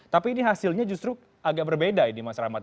tapi ini hasilnya justru agak berbeda ini mas rahmat